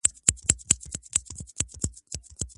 که واکمن پاملرنه وکړي ستونزې به حل سي.